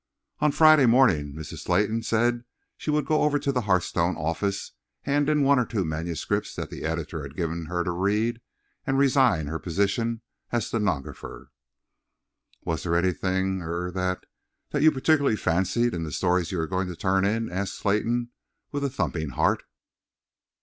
On Friday morning Mrs. Slayton said she would go over to the Hearthstone office, hand in one or two manuscripts that the editor had given to her to read, and resign her position as stenographer. "Was there anything—er—that—er—you particularly fancied in the stories you are going to turn in?" asked Slayton with a thumping heart.